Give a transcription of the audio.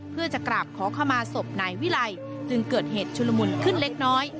เพื่อจะกราบขอขมาศพนายวิไลจึงเกิดเหตุชุลมุนขึ้นเล็กน้อย